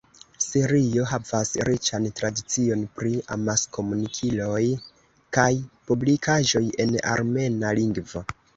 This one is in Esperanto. Sirio havas riĉan tradicion pri amaskomunikiloj kaj publikaĵoj en armena lingvo.